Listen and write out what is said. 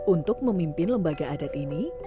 untuk memimpin lembaga adat ini